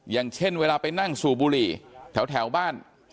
อย่างเช่นเวลาไปนั่งสูบบุหรี่แถวบ้าน